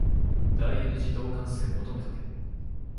第 n 次導関数求めとけ。